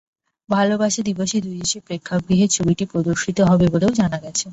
ভালোবাসা দিবসে দুই দেশের প্রেক্ষাগৃহে ছবিটি প্রদর্শিত হবে বলেও জানা গেছে।